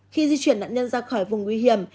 khi di chuyển nạn nhân ra khỏi vùng nguy hiểm